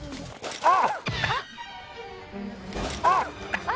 あっ！